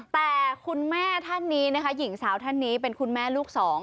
แต่คุณแม่ท่านนี้นะคะหญิงสาวท่านนี้เป็นคุณแม่ลูกสอง